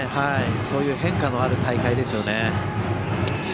そういう変化のある大会ですよね。